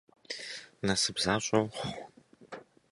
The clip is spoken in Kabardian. Насып защӏэ ухъу!